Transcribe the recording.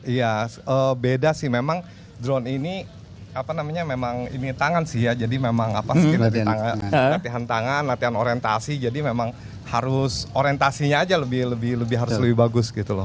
iya beda sih memang drone ini apa namanya memang ini tangan sih ya jadi memang apa mungkin latihan tangan latihan orientasi jadi memang harus orientasinya aja lebih harus lebih bagus gitu loh